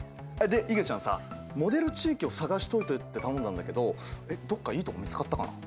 でいげちゃんさモデル地域を探しておいてって頼んだんだけどどっかいいとこ見つかったかな？